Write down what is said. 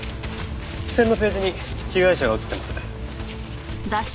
付箋のページに被害者が写ってます。